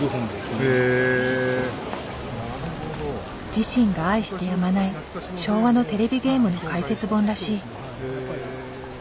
自身が愛してやまない昭和のテレビゲームの解説本らしい。